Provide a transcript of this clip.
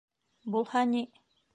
— Булһа ни.